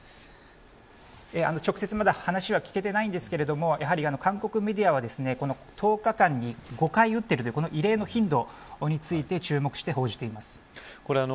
直接まだ話は聞けていないんですけれどもやはり韓国メディアはこの１０日間に５回撃っているという異例の頻度について注目して報じています。